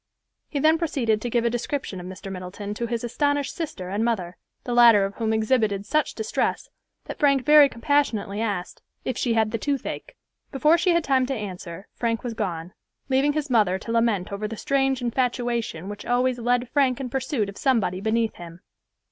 He then proceeded to give a description of Mr. Middleton to his astonished sister and mother, the latter of whom exhibited such distress that Frank very compassionately asked, "if she had the toothache." Before she had time to answer, Frank was gone, leaving his mother to lament over the strange infatuation which always led Frank in pursuit of somebody beneath him.